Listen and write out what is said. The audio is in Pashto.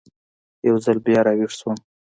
یو ځل بیا را ویښ شوم.